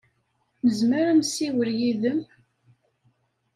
Nezmer ad nessiwel yid-m?